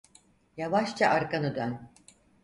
Yavaşça arkanı dön.